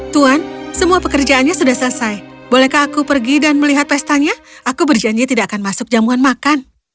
tuan semua pekerjaannya sudah selesai bolehkah aku pergi dan melihat pestanya aku berjanji tidak akan masuk jamuan makan